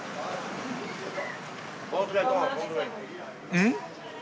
うん！？